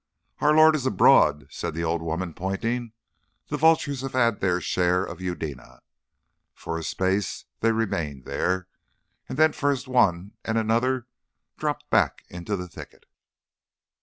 "Our lord is abroad," said the old woman, pointing. "The vultures have their share of Eudena." For a space they remained there, and then first one and then another dropped back into the thicket.